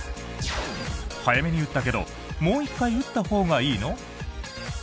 早めに打ったけどもう１回打ったほうがいいの？